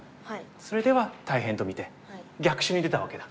それでは大変と見て逆襲に出たわけだ。